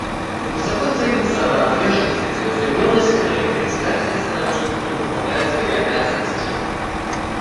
Мы высоко ценим самоотверженность и целеустремленность, с которыми председатели страновых структур выполняют свои обязанности.